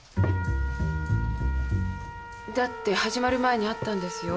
だって始まる前に会ったんですよ。